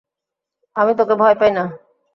আমি তোকে ভয় পাই না!